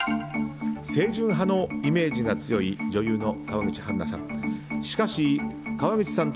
清純派のイメージが強い女優の川口春奈さん。